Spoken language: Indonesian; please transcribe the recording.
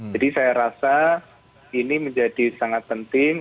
jadi saya rasa ini menjadi sangat penting